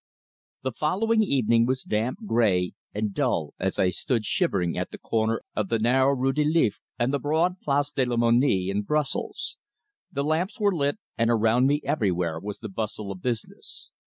The following evening was damp, grey, and dull, as I stood shivering at the corner of the narrow Rue de l'Eveque and the broad Place de la Monnie in Brussels. The lamps were lit, and around me everywhere was the bustle of business.